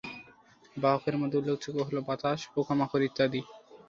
বাহকের মধ্যে উল্লেখযোগ্য হলো বাতাস, পোকামাকড় ইত্যাদি।